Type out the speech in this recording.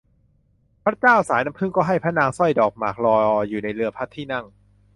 พระเจ้าสายน้ำผึ้งก็ให้พระนางสร้อยดอกหมากรออยู่ในเรือพระที่นั่ง